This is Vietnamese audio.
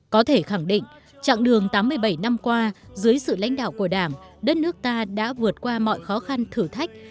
có thể khẳng định trạng đường tám mươi bảy năm qua dưới sự lãnh đạo của đảng đất nước ta đã vượt qua mọi khó khăn thử thách